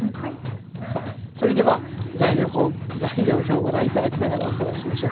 さあそれでは材料材料表ご覧頂きながらおさらいしましょう。